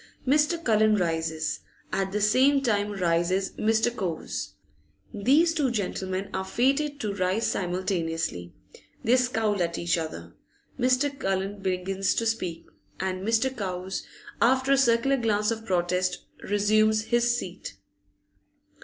Mr. Cullen rises, at the same time rises Mr. Cowes. These two gentlemen are fated to rise simultaneously. They scowl at each other. Mr. Cullen begins to speak, and Mr. Cowes, after a circular glance of protest, resumes his seat.